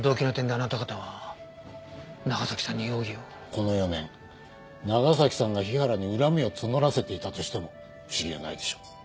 この４年長崎さんが日原に恨みを募らせていたとしても不思議はないでしょう。